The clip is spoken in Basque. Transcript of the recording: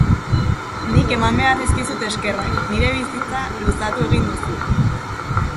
Nik eman behar dizkizut eskerrak, nire bizitza luzatu egin duzu.